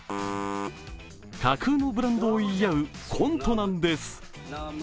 架空のブランドを言い合うコントなんです。